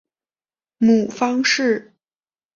母方氏。